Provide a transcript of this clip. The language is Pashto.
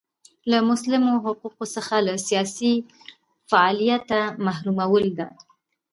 له مسلمو حقونو څخه له سیاسي فعالیته محرومول ده.